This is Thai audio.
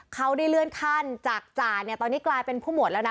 เขาได้เลื่อนขั้นจากจ่าเนี่ยตอนนี้กลายเป็นผู้หมวดแล้วนะ